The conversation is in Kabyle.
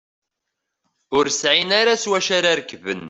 Ur sεin ara s wacu ara rekben.